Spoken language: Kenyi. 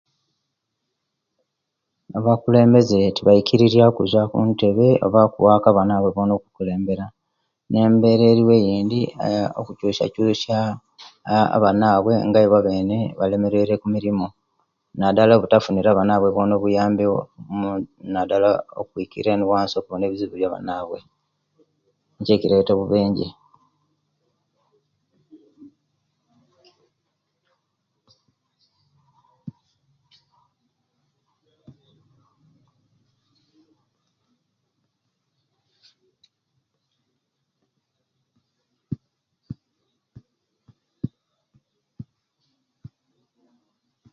Abakulembeze tibayikirirya okuva kuntebe oba okuwaaku abainanbwe okukulembera nebera eriwo eyindi kukyusa kyusya aah abanaibwe nga ibo abene nga balemereirwe kumirimu nadala obutafunira abainabwe bona obuyambi nadala okwikirira eno owansi okumanya ebizibu bwavainabwe nikyo ekireta obubenje